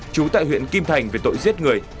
trú tại huyện kim thành về tội giết người